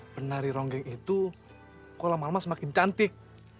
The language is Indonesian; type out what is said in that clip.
penari ronggeng itu kok lama lama semakin cantik